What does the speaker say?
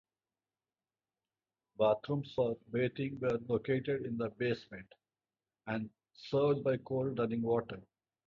Bathrooms for bathing were located in the basement, and served by cold running water.